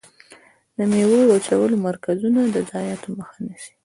د ميوو وچولو مرکزونه د ضایعاتو مخه نیسي.